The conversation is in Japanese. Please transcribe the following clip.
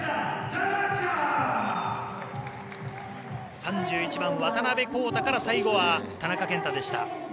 ３１番、渡辺晃大から最後、田中健太でした。